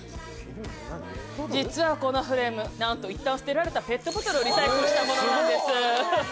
実はこのフレームなんと一旦捨てられたペットボトルをリサイクルしたものなんです！